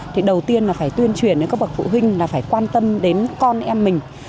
thì đầu tiên là phải tuyên truyền đến các bậc phụ huynh là phải quan tâm đến con em mình